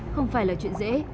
không phải là chuyện dễ